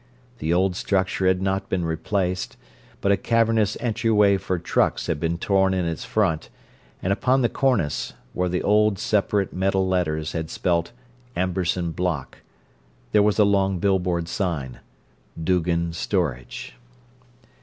The old structure had not been replaced, but a cavernous entryway for trucks had been torn in its front, and upon the cornice, where the old separate metal letters had spelt "Amberson Block," there was a long billboard sign: "Doogan Storage."